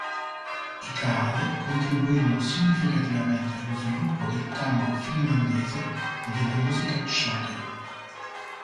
I kaale contribuirono significativamente allo sviluppo del tango finlandese e della musica schlager.